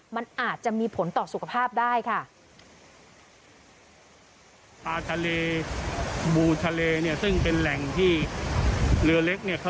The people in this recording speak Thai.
มันอาจจะมีผลต่อสุขภาพได้ค่ะ